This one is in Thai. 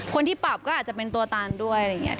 คนที่ปรับก็อาจจะเป็นตัวตันด้วยอะไรอย่างนี้